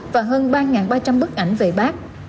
và hơn ba ba trăm linh bức ảnh về bác